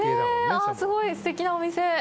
ああ、すごいすてきなお店。